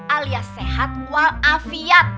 alias sehat walafiat